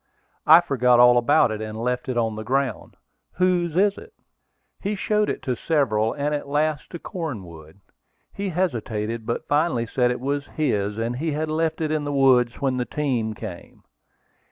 "I forgot all about it, and left it on the ground. Whose is it?" He showed it to several, and at last to Cornwood. He hesitated; but finally said it was his, and he had left it in the woods when the team came.